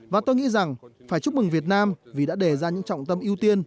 và tôi nghĩ rằng phải chúc mừng việt nam vì đã đề ra những trọng tâm ưu tiên